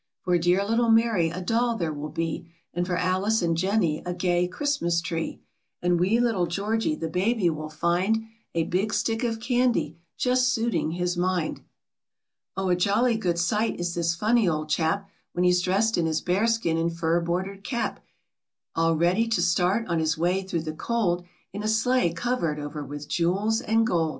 For dear little Mary, a doll there will be; And for Alice and Jennie a gay Christmas tree; And wee little Georgie, the baby, will find, A big stick of candy, just suiting his mind. n IN THE STABLE. WHERE SANTA CLAUS LIVES , AND WHAT HE DOES. Oh, a jolly good sight is this funny old chap When he's dressed in his bear skin and fur bordered cap, X All ready to start on his way through the cold, \ In a sleigh covered over with jewels and gold.